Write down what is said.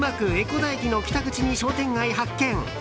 古田駅の北口に商店街発見。